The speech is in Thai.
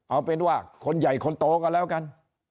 เอาเป็นว่าคนใหญ่คนโตก็แล้วกัน